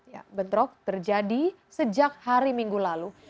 ya bentrok terjadi sejak hari minggu lalu